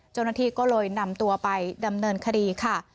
เจ้าหน้าที่ก็เลยนำตัวไปดำเนินคดีค่ะ